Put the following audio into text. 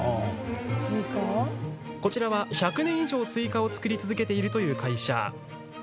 こちらは１００年以上、スイカを作り続けているという会社。